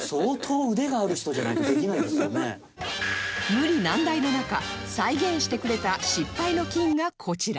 無理難題の中再現してくれた失敗の金がこちら